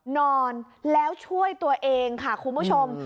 นอนแล้วช่วยตัวเองค่ะคุณผู้ชม